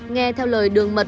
nghe theo lời đường mật